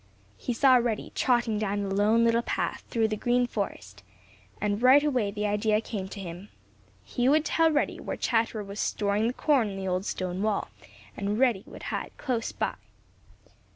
He saw Reddy trotting down the Lone Little Path through the Green Forest, and right away the idea came to him. He would tell Reddy where Chatterer was storing the corn in the old stone wall, and Reddy would hide close by.